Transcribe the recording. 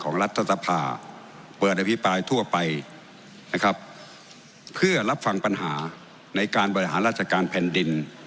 รัฐสภาเปิดอภิปรายทั่วไปนะครับเพื่อรับฟังปัญหาในการบริหารราชการแผ่นดิน